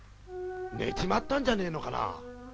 寝ちまったんじゃねえのかな。